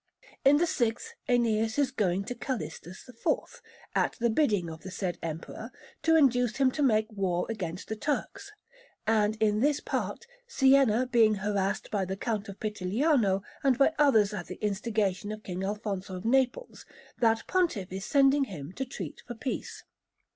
In the sixth Æneas is going to Calistus IV, at the bidding of the said Emperor, to induce him to make war against the Turks; and in this part, Siena being harassed by the Count of Pittigliano and by others at the instigation of King Alfonso of Naples, that Pontiff is sending him to treat for peace.